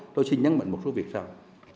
tôi xin nhắn mạnh một số việc sau